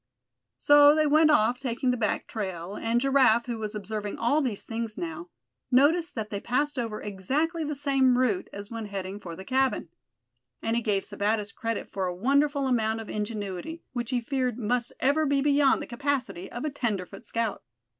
So they went off, taking the back trail; and Giraffe, who was observing all these things now, noticed that they passed over exactly the same route as when heading for the cabin. And he gave Sebattis credit for a wonderful amount of ingenuity, which he feared must ever be beyond the capacity of a tenderfoot scout.